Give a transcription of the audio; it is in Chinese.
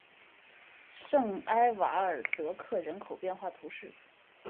圣埃瓦尔泽克人口变化图示